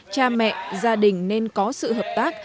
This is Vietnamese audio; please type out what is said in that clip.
cha mẹ gia đình nên có sự hợp tác